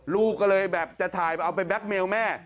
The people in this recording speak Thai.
ลูกก็เลยแบบจะถ่ายเอาไปแก๊กเมลแม่